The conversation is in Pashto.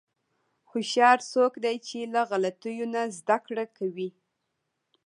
هوښیار څوک دی چې له غلطیو نه زدهکړه کوي.